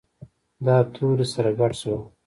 دا توري سره ګډ شول.